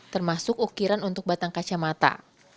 termasuk ukiran untuk batang kacamata